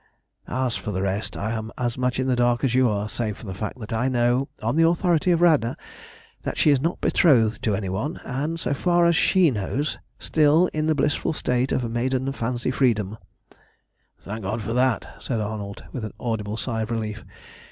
"As for the rest, I am as much in the dark as you are, save for the fact that I know, on the authority of Radna, that she is not betrothed to any one, and, so far as she knows, still in the blissful state of maiden fancy freedom." "Thank God for that!" said Arnold, with an audible sigh of relief.